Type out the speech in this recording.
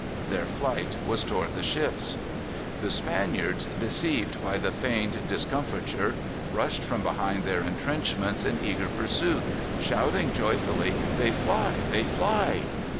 Their flight was toward the ships. The Spaniards, deceived by the feigned discomfiture, rushed from behind their intrenchments in eager pursuit, shouting joyfully, "They fly; they fly!"